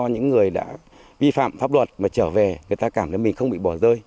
những người đã vi phạm pháp luật mà trở về người ta cảm thấy mình không bị bỏ rơi